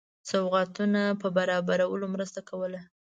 سوغاتونو په برابرولو مرسته کوله.